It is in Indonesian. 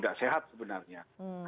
kita tidak sehat sebenarnya